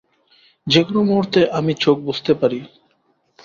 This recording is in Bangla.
যে কোন মুহূর্তে আমি চোখ বুজতে পারি।